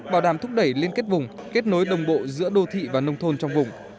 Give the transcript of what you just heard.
bảo đảm thúc đẩy liên kết vùng kết nối đồng bộ giữa đô thị và nông thôn trong vùng